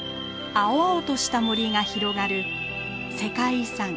青々とした森が広がる世界遺産